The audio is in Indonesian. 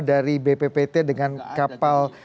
dari bppt dengan kapal